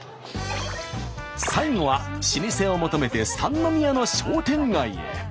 最後は老舗を求めて三宮の商店街へ。